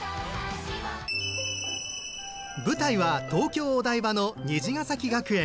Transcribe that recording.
舞台は東京・お台場の虹ヶ咲学園。